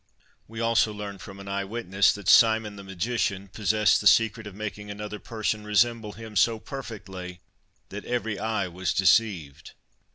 We also learn from an eye witness that Simon, the magician, possessed the secret of making another person resemble him so perfectly that every eye was deceived.